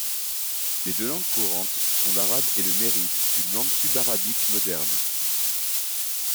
Les deux langues courantes sont l'arabe et le mehri, une langue sudarabique moderne.